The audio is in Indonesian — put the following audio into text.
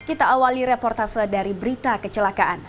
kita awali reportase dari berita kecelakaan